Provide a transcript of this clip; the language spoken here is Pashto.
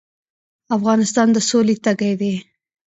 افغانستان د سولې تږی دی